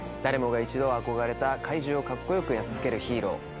誰もが一度は憧れた怪獣をカッコ良くやっつけるヒーロー。